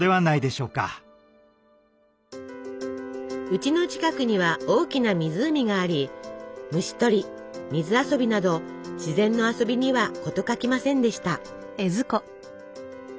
うちの近くには大きな湖があり虫取り水遊びなど自然の遊びには事欠きませんでした。